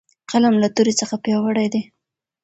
قلم له تورې څخه پیاوړی دی.